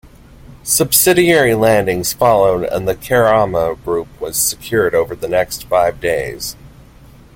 Subsidiary landings followed, and the Kerama group was secured over the next five days.